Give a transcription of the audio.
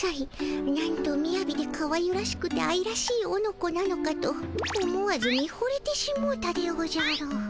なんとみやびでかわゆらしくてあいらしいおのこなのかと思わず見ほれてしもうたでおじゃる。